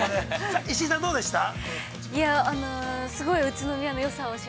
石井、石井さんどうでしたか。